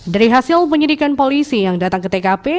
dari hasil penyidikan polisi yang datang ke tkp